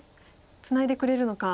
ツナいでくれるのか。